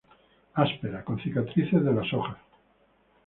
Áspera con cicatrices de las hojas.